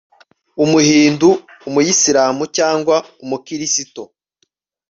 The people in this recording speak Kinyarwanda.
Umuhindu Umuyisilamu cyangwa Umukristo